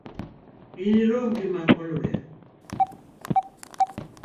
Inirom gi makolwer